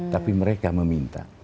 tapi mereka meminta